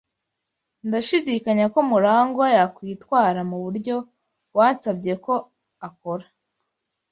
Ndashidikanya ko MuragwA yakwitwara muburyo wasabye ko akora.